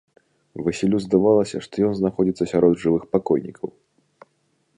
Васілю здавалася, што ён знаходзіцца сярод жывых пакойнікаў.